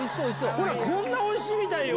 こんなおいしいみたいよ。